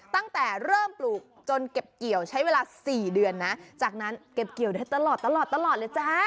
ตั้งแต่เริ่มปลูกจนเก็บเกี่ยวใช้เวลา๔เดือนนะจากนั้นเก็บเกี่ยวได้ตลอดตลอดเลยจ้า